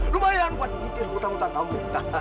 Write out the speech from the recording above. lumayan buat bikin hutang hutang kamu